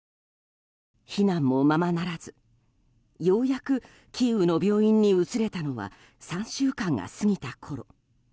避難もままならず、ようやくキーウの病院に移れたのは３週間が過ぎたころ。